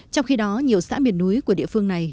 trong khi đó nhiều xã miền núi của địa phương này